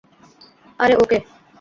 আরে ও কে?